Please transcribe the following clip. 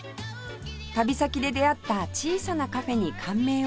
旅先で出会った小さなカフェに感銘を受け